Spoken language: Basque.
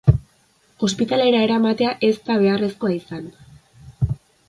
Ospitalera eramatea ez da beharrezkoa izan.